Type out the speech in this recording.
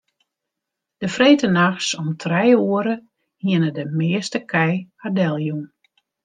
De freedtenachts om trije oere hiene de measte kij har deljûn.